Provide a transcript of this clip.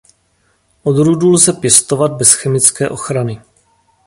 Odrůdu lze pěstovat bez chemické ochrany.